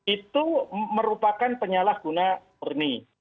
itu merupakan penyalahguna perni